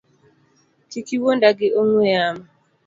Kik iwuonda gi ong’we yamo